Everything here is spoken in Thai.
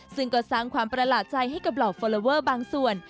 ซึ่งก็สร้างความประหลาดใจให้กับเหล่าฟอลลอเวอร์บางส่วน